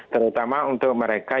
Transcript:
terutama untuk mereka